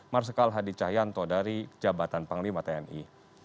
marsikal hadi cahyanto dari jabatan panglima tni